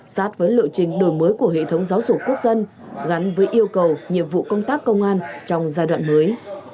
sát với lộ trình đổi mới của hệ thống giáo dục quốc dân gắn với yêu cầu nhiệm vụ công tác công an trong giai đoạn mới